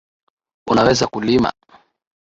Unaweza kulima.